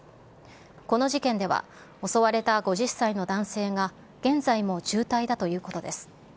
この事件では、襲われた５０歳の男性が、現在も重体だということです。